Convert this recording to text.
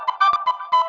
kau mau kemana